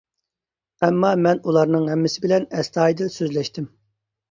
ئەمما مەن ئۇلارنىڭ ھەممىسى بىلەن ئەستايىدىل سۆزلەشتىم.